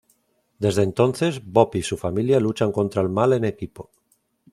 Desde entonces, Bob y su familia luchan contra el mal en equipo.